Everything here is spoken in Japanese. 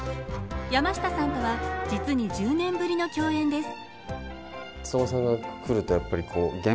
山下さんとは実に１０年ぶりの共演です。